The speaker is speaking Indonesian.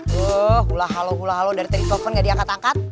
duh hulah hulah dari telepon nggak diangkat angkat